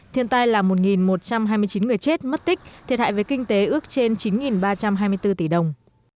thiên tai là một một trăm hai mươi chín người chết mất tích thiệt hại về kinh tế ước trên chín ba trăm hai mươi bốn tỷ đồng